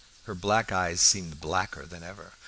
Her black eyes seemed blacker than ever.